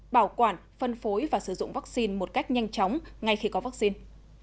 bảo quản phân phối và sử dụng vaccine một cách nhanh chóng ngay khi có vaccine